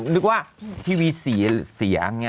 นึกว่าทีวีเสียอย่างนี้